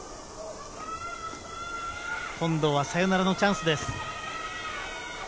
今度はサヨナラのチャンスです。